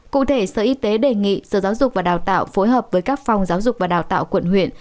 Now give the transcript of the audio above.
cụ thể sở y tế đề nghị sở giáo dục và đào tạo phối hợp với các phòng giáo dục và đào tạo quận huyện